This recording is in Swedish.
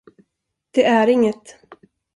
Det är inget.